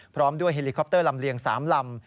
พร้อมด้วยเฮลิคอปเตอร์ลำเลียง๓ลำ